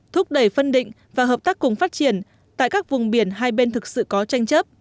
thúc đẩy phân định và hợp tác cùng phát triển tại các vùng biển hai bên thực sự có tranh chấp